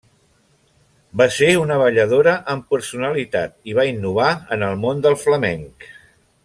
Va ser una balladora amb personalitat i va innovar en el món del flamenc.